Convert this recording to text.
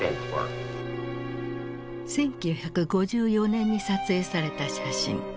１９５４年に撮影された写真。